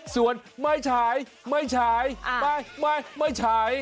ส่วนไม่ใช่ไม่ใช่ไม่ไม่ไม่ใช่